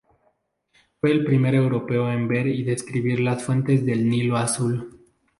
Fue el primer europeo en ver y describir las fuentes del Nilo Azul.